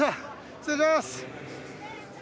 失礼します。